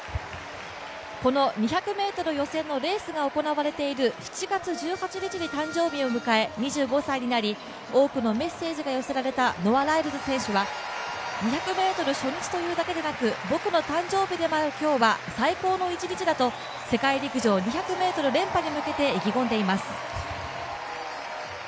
この２００ｍ予選のレースが行われている７月１８日に誕生日を迎え２５歳になり、多くのメッセージが寄せられたノア・ライルズ選手は、２００ｍ初日というだけでなく、僕の誕生日でもある今日は最高の一日だと世界陸上２００ｍ連覇に向けて意気込んでいます。